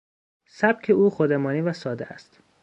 سبک او خودمانی و ساده است.